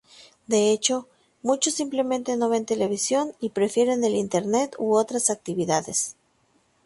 De hecho, muchos simplemente no ven televisión y prefieren el Internet u otras actividades.